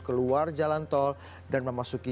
keluar jalan tol dan memasuki